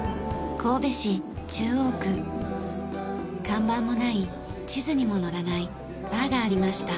看板もない地図にも載らないバーがありました。